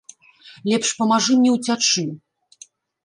Лепш памажы мне ўцячы!